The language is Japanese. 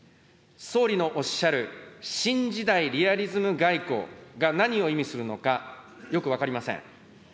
総理のおっしゃる新時代リアリズム外交が何を意味するのかよく分かりません。